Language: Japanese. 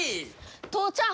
父ちゃん！